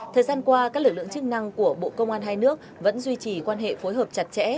thời gian qua các lực lượng chức năng của bộ công an hai nước vẫn duy trì quan hệ phối hợp chặt chẽ